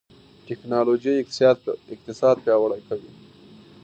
ټکنالوژي اقتصاد پیاوړی کوي.